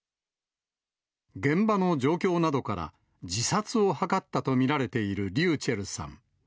現場の状況などから、自殺を図ったと見られているｒｙｕｃｈｅｌｌさん。